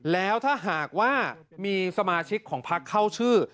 แล้วถ้าหากว่ามีสมาชิกของพักเข้าชื่อ